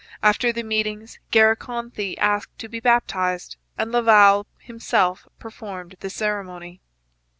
After the meetings Garakonthie asked to be baptized, and Laval himself performed the ceremony.